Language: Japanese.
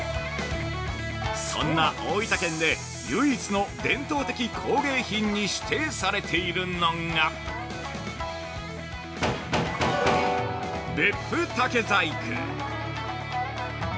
そんな大分県で唯一の伝統工芸品に指定されているのが別府竹細工。